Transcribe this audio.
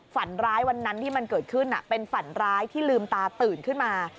ฝันร้ายวันนั้นที่มันเกิดขึ้นเป็นฝันร้ายที่ลืมตาตื่นขึ้นมา